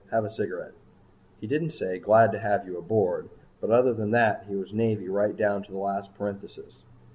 "Have a cigarette." He didn't say, "Glad to have you aboard." But other than that he was Navy right down to the last parenthesis.